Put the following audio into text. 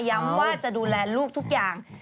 ว่าจะดูแลลูกทุกอย่าง